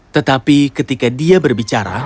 tetapi ketika dia berbicara